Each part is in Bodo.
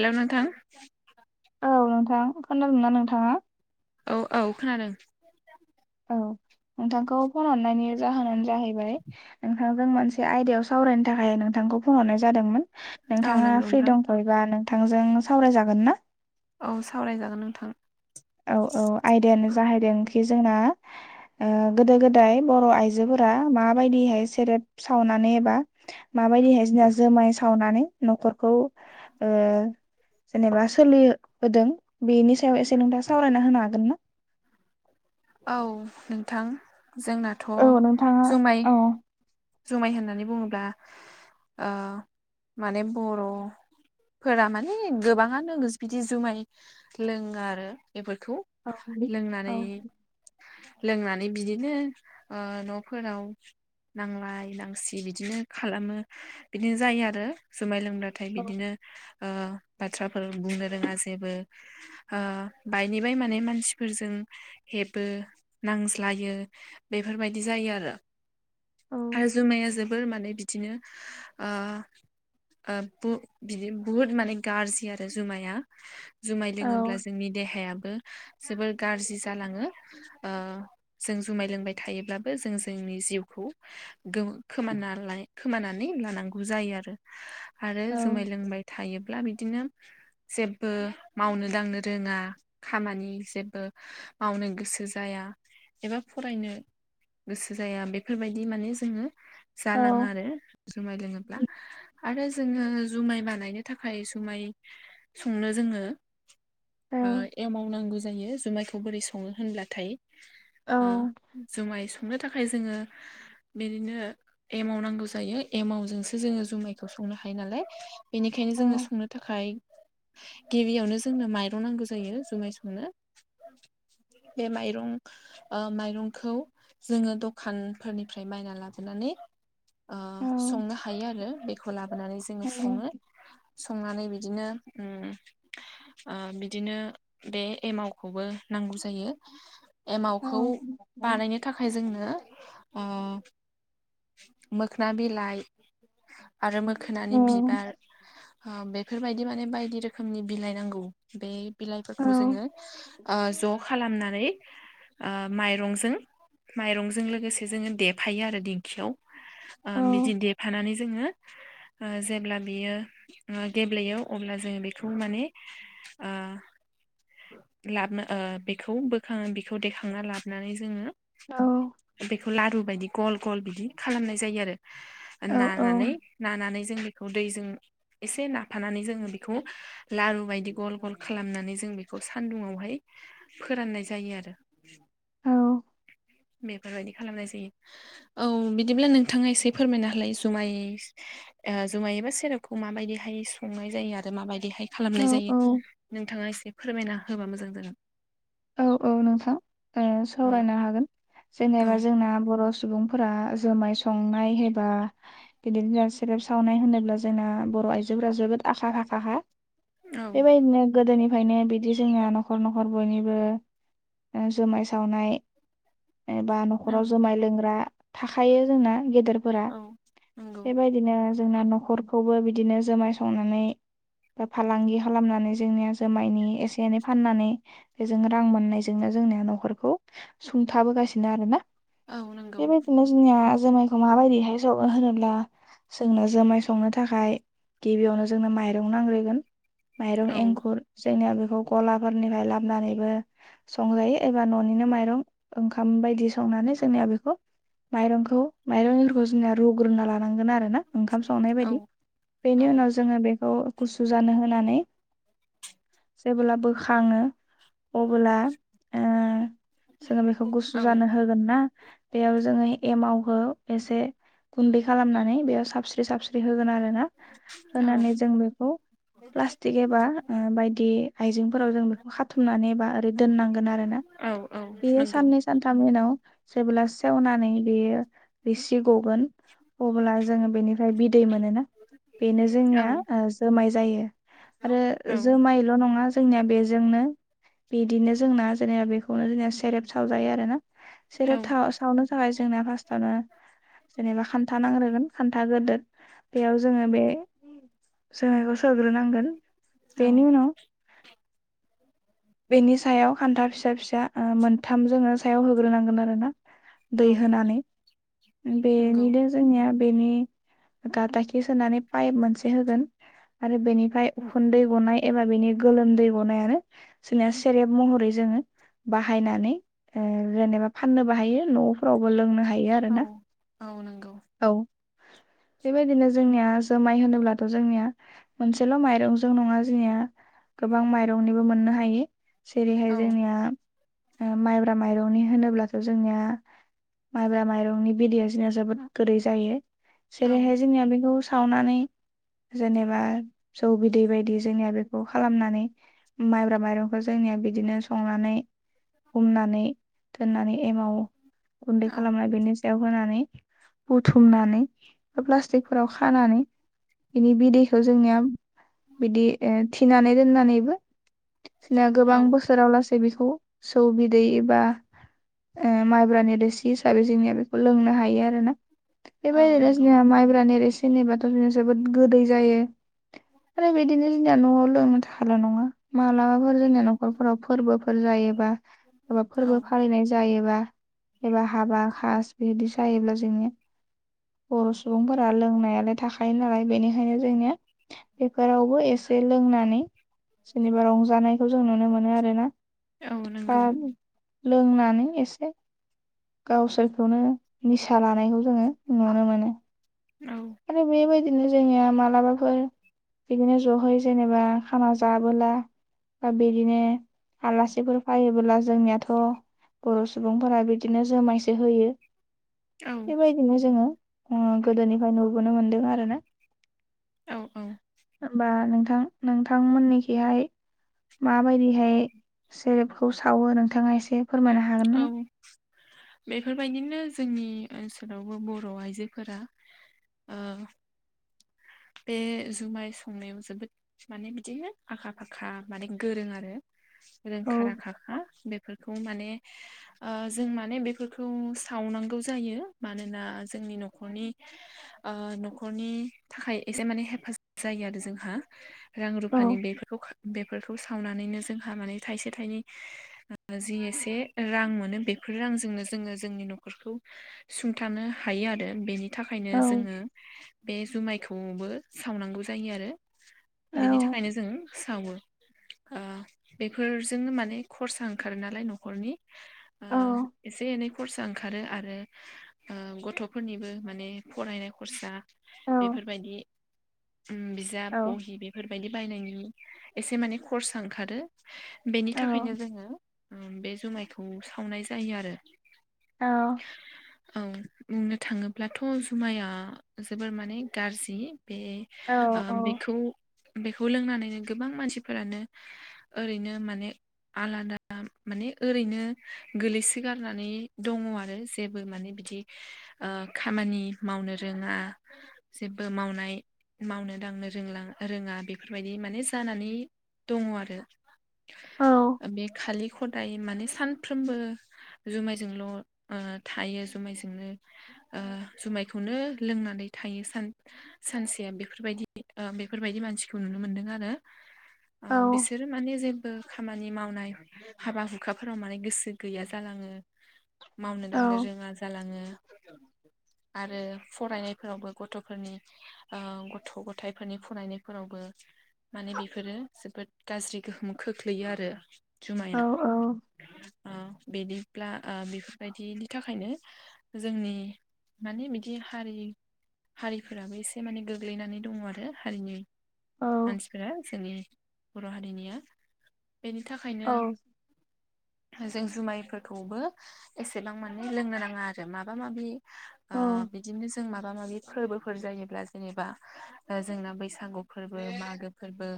हेलौ नोंथां। औ नोंथां खोनादों ना नोंथाङा? औ औ खोनादों। औ। नोंथांखौ फन हरनायनि जाहोनानो जाहैबाय नोंथांजों मोनसे आयदायाव सावरायनो थाखाय नोंथां। खौ फन हरनाय जादोंमोन औ नोंथाङा नंगौ फ्रि नोंथां दंथ'योबा नोंथांजों सावराय जागोन ना? औ सावरायजागोन नोंथां। औ औ आयदायानो जाहैदों जोंना ओ गोदो गोदाय बर' आइजोफोरा माबायदिहाय सेरेब सावनाय एबा माबायदिहाय जोंना जोमाय सावनानै न'खरखौ ओ। जेनेबा सोलियोबोदों बेनि सायाव एसे नोंथां। सावरायना होनो हागोन ना? औ नोंथां जोंनाथ' औ नोंथाङा जुमाय। औ जुमाय होननानै बुङोब्ला ओ माने बर'। फोरा माने गोबाङानो बिदि जुमाय लोङो आरो। बेफोरखौ लोंनानै। लोंनानै बिदिनो ओ न'फोराव। नांलाय नांसि बिदिनो खालामो बिदिनो जायो आरो जुमाय लों। [unintelligible] थाय बिदिनो। ओ [inaudible] बाथ्राफोर बुंनो रोङा जेबो ओ बायनि बाय माने मानसिफोरजों। हेबो नांज्लायो बेफोरबायदि जायो आरो। आरो जुमाया जोबोर माने बिद। बिदिनो ओ बो बिदि बुहुद माने। गाज्रि आरो जुमाया। जुमाय लोङोब्ला जोंनि देहायाबो जोबोर गाज्रि। जालाङो। खोमाना लाय खोमानानै लानांगौ जायो आरो। आरो जुमाय लोंबाय थायोब्ला बिद। बिदिनो जेबो मावनो दांनो रोङा खामानि जेबो। मावनो गोसो जाया एबा फरायनो गोसो जाया बेफोरबायदि माने जोङो। जालाङो आरो जुमाय लोङोब्ला आरो जोङो जुमाय मा। थाखाय जुमाय संनो जोंनो ओ एमाव नांगौ जा। जायो जुमायखौ बोरै संङो होनब्लाथाय‌। संनो थाखाय जोङो बिदिनो एमाव नांगौ जायो एमावजोंसो जोङो जुमाइखौ सं। संनो हायो नालाय बेनिखायनो जोंङो संनो थाखाय। गिबियावनो जोंनो माइरं नांगौ जायो जुमाय संनो। बे माइरं ओ माइरंखौ जोङो दखानफोरनिफ्राय बायना लाब। बोनानै ओ संनो हायो आरो बेखौ लाबोनानै जोङो सङो। संनानै बिदिनो उम ओ बिदिनो बे एमावखौबो। नांगौ जायो एमावखौ बानायनो थाखाय जोंनो। मोखोना बिलाइ आरो मोखोनानि बिबार ओ बेफोर बायदि माने बायदि रोखोमनि बिलाइ नांगौ बे बिलाइफोरखौ जोङो ओ ज' खालामनानै ओ माइरंजों माइरंजों लोगोसे जोङो देफायो आरो दिंखियाव ओ बिदि देफानानै जोङो ओ जेब्ला बियो गेब्लेयो अब्ला जों बिखौ माने [inaudible] लाबनो ओ बेखौ बोखां बेखौ देखांना लाबोनानै जोङो बेखौ लारु बायदि गल गल बिदि खालामनाय जायो आरो नानानै नानानै जों बेखौ दैजों एसे नाफानानै जोङो बिखौ लारु बायदि गल गल खालामनानै जों बेखौ सान्दुङावहाय फोराननाय जायो आरो औ बेफोरबायदि खालामनाय जायो औ बिदिब्ला नोंथाङा एसे फोरमायनो होलाय जुमाय ओ जुमाय बा सेरबखौ माबायदिहाय संनाय जायो आरो माबायदिहाय खालामनाय जायो नोंथाङा एसे फोरमायना होबा मोजां जागोन औ औ नोंथां औ सावरायनो हागोन औ जेनेबा जोंना बर' सुबुंफोरा जोमाय संनाय एबा बिदिनो जोंहा सेरेब सावनाय होनोब्ला जोंना बर' आयजोफोरा जोबोद आखा फाखा औ बेबायदिनो गोदोनिफ्रायनो बिदि जोङा न'खर न'खर बयनिबो जुमाय सावनाय एबा औ न'खराव जुमाय लोंग्रा थाखायो जोंना गेदेरफोरा औ नंगौ बेबायदिनो जोंना न'खरखौबो बिदिनो जुमाय संनानै बा फालांगि खालामनानै जोंनिया जोमायनि एसे एनै फाननानै बेजों रां मोननायजोंनो जोंनिया न'खरखौ सुंथाबोगासिनो आरो ना औ नंगौ बे बायदिनो जोंना जुमायखौ माबायदिहाय सङो होनोब्ला जोंनो जुमाय संनो थाखाय गिबियावनो जोंनो माइरं नांग्रोगोन माइरं औ एंखुर जोंनिया बेखौ गलाफोरनिफ्राय लाबो नानैबो संजायो एबा न'निनो माइरं ओंखाम बायदि संनानै जोंनिया बेखौ माइरंखौ माइरं [unintelligible] जोंनिया रुग्रोना लानांगोन आरो ना ओंखाम संनाय औ बायदि औ बेनि उनाव जोङो बेखौ गुसु जानो होनानै जेबोला बोखाङो अबोला ओ जोङो बेखौ गुसु औ जानो होगोन ना बेयाव जोङो एमाव खौ एसे गुन्दै खालामनानै बेयाव साबस्रि साबस्रि होगोन आरो ना औ होनानै जों बेखौ प्लास्टिक एबा बायदि आइजेंफोराव जों खौ खाथुमनानै बा ओरै दोननांगोन आरो ना औ औ बेयो नंगौ साननै सानथामनि उनाव जेबोला सेवनानै बेयो रोसि गगोन अबोला जोङो बिनिफ्राय बिदै मोननो ना बेनो औ जोंनिया जोमाय जायो आरो औ जोमायल' नङा जोंनिया बे बिदिनो जोंना जेनेबा बेखौनो जोंना सेरेब सावजायो आरो ना सेरेब थाव औ सावनो थाखाय जोंना फार्स्टावनो जेनेबा खान्था नांग्रोगोन खान्था गोदोद बेयाव जोङो बे जोमायखौ सोग्रोनांगोन बेनि औ उनाव बेनि सायाव खान्था फिसा फिसा ओ मोनथाम जोनो सायाव होग्रोनांगोन आरो ना दै औ होनानै नंगौ बेनिदों जोंनिया बेनि गा दाखि सोनानै पाइप मोनसे होगोन आरो बेनि फाय उखुन्दै गनाय एबा बेनि गोलोम दै गनायानो जोंनिया सेरेब महरै जोङो बाहायनानै ओ जेनेबा फाननोबो बाहायो न'फोरावबो लोंनो हायो औ आरोना औ नोंगौ [inaudible] बेबायदिनो जोंनिया जोमाय होनोब्लाथ' जोंनिया मोनसेल' माइरंजों नङा जोंनिया गोबां माइरंनिबो मोननो हायो जेरैहाय औ जोंनिया ओ माइब्रा माइरंनि होनोब्लाथ' जोंना माइब्रा माइरंनि बिदैया जोंना जोबोद गोदै जायो औ जेरैहाय जोंनिया बेखौ सावनानै जेनेबा जौ बिदै बायदि जोंनिया बेखौ खालामनानै माइब्रा माइरंखौ जोंनिया बिदिनो संनानै हमनानै दोननानै एमाव गुन्दै औ खालामनाय बेनि सायाव होनानै बुथुमनानै प्लास्टिकफोराव खानानै बिनि बिदैखौ जोंनिया बिदि ओ थिनानै दोननानै औ गोबां बोसोराव लासैबो बिखौ जौ बिदै एबा ओ माइब्रानि रोसि हिसाबै जोंनिया बे लोंनो हायो आरोना औ बेबायदिनो नंगौ जोंनिया माइब्रानि रोसि जेनेबाथ' जों जोबोद गोदै जायो आरो बिदिनो जोंनिया न'आव लोंनो थाखाय ल' नङा मालाबाफोर जोंनिया न'खरफोराव फोरबोफोर जायोबा एबा फोरबो औ फालिनाय जायोबा एबा हाबा खाज बिदि जायोब्ला जोंनिया बर' सुबुंफोरा लोंनायालाय थाखायो नालाय बेनिखायनो जोंनिया बेफोरावबो एसे से लोंनानै जेनेबा रंजानायखौ जों नुनो मोनो आरोना औ दा नंगौ लोंनानै एसे गावसोरखौनो निसा लानायखौ जोङो नुनो मोनो। औ आरो बेबायदिनो जोंनिया मालाबाफोर बिदिनो ज'है जेनेबा खाना जाबोला बा बिदिनो आलासिफोर फायोबोला जोंनियाथ' बर' सुबुंफोरा बिदिनो जोमायसो होयो औ बेबायदिनो जोङो ओ गोदोनिफाय नुबोनो मोनदों आरोना औ औ होमबा नोंथां नोंथांमोननिखिहाय माबायदिहाय सेरेबखौ सावो नोंथाङा एसे फोरमायनो हागोन औ नामा? बेफोरबायदिनो जोंनि ओनसोलावबो बर' आइजोफोरा ओ बे जुमाय संनायाव जोबोद माने बिदिनो आखा फाखा माने गोरों आरो रोंखा औ राखाखा बेफोरखौ माने ओ जों माने बेफोरखौ सावनांगौ जायो मानोना जोंनि न' खरनि ओ न'खरनि थाखाय एसे माने हेफाजाब जायो आरो जोंहा औ रां-रुफानि बेफोरखौ बेफोरखौ सावनानैनो जोंहा माने थाइसे थाइनै जि एसे रां मोनो बे रांजोंनो जोङो जोंनि न'खरखौ सुंथानो हायो आरो बेनि थाखायनो औ जोङो बे जुमायखौबो सावनांगौ जायो आरो औ बेनि थाखायनो जों सावो। [inaudible] ओ बेफोरजोंनो माने खरसा ओंखारो नालाय न'खरनि ओ औ एसे-एनै खरसा ओंखारो आरो ओ गथ'फोरनिबो माने फरायनाय खरसा औ बेफोरबायदि ओम बिजाब बहि बेफोरबायदि बायनायनि एसे माने खरसा ओंखारो बेनि औ थाखायनो जोङो ओम बे जुमायखौ सावनाय जायो आरो औ औ बुंनो थाङोब्लाथ' जुमाया जोबोर माने गारजि बे औ ओ बेखौ बेखौ लोंनानैनो गोबां मानसिफोरानो ओरैनो माने आलादा माने ओरैनो गोलैसोगारनानै दङ आरो जेबो माने बिदि खामानि मावनो रोङा जेबो मावनाय मावनो दांनो रों रोङा बेफोरबायदि माने जानानै दङ आरो औ बे खालि खदाय माने सानफ्रोमबो जुमायजोंल' ओ थायो जुमायजोंनो ओ जुमायखौनो लोंनानै थायो सानसेया बेफोरबायदि बेफोरबायदि मानसिखौ नुनो मोनदों आरो आ बिसोर माने जे खामानि मावनाय हाबा हुखाफोराव माने गोसो गैया जालाङो मावनो दांनो रोङा जालाङो आरो फरायनायफोरावबो गथ'फोरनि गथ' गथायाइफोरनि फरायनायफोरावबो माने बेफोरो जोबोद गाज्रि गोहोम खोख्लैयो आरो औ जुमाया औ बिदिब्ला बेफोरबायदिनि थाखायनो जोंनि माने बिदि हारि हारिफोराबो एसे माने गोग्लैनानै दङ आरो हारिनि औ मानसिफोरा जसोंनि बर' हारिनिया बेनि औ थाखायनो जों जुमायफोरखौबो एसेबां माने लोंनो नाङा आरो माबा माबि ओ औ बिदिनो जों माबा माबि फोरबोफोर जायोब्ला जेनेबा जोंना बैसागु फोरबो मागो फोरबो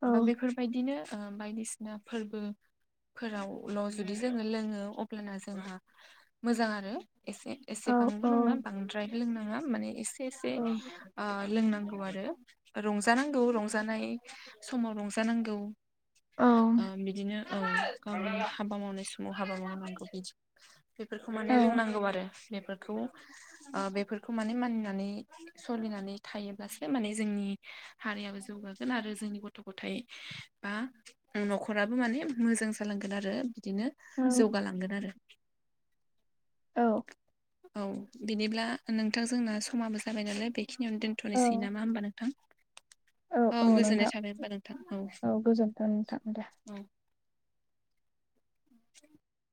औ बा बेफोरबायदिनो बायदिसिना फोरबो फोरावल' जुदि जोङो लोङो अब्लाना जोंहा मोजां आरो एसे औ औ एसेबांबो नङा बांद्राय लोंनाङा माने एसे एसे औ ओ लोंनांगौ आरो रंजानांगौ रंजानाय समाव रंजानांगौ औ ओ बिदिनो औ गावनि हाबा मावनाय समाव हाबा मावनांगौ बिदि बेफोरखौ औ माने रोंनांगौ आरो बेफोरखौ ओ बे बेफोरखौ माने मानिनानै सोलिनानै थायोब्लासो माने जोंनि हारियाबो जौगागोन आरो जोंनि गथ' गथायाइ बा न'खराबो माने मोजां जालांगोन आरो बिदिनो जौगालांगोन आरो औ औ बिनिब्ला नोंथां जोंना समाबो जाबाय नालाय बेखिनियावनो दोन्थ'नोसै नामा होमबा नोंथां? औ गोजोननाय थाबाय होनबा नोंथां औ गोजोन्थों नोंथां औ [inaudible]